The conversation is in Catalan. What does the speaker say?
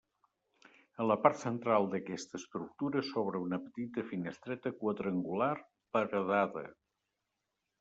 En la part central d'aquesta estructura s'obre una petita finestreta quadrangular, paredada.